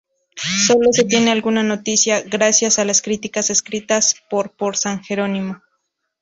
Solo se tiene alguna noticia gracias a las críticas escritas por por san Jerónimo.